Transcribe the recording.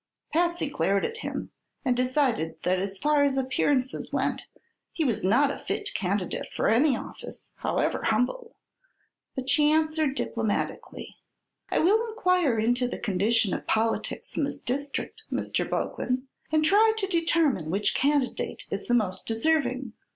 Patsy glared at him and decided that as far as appearances went he was not a fit candidate for any office, however humble. But she answered diplomatically: "I will inquire into the condition of politics in this district, Mr. Boglin, and try to determine which candidate is the most deserving.